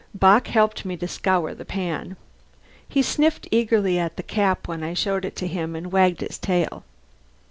Bock helped me to scour the pan. He sniffed eagerly at the cap when I showed it to him, and wagged his tail.